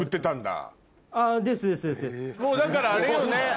もうだからあれよね。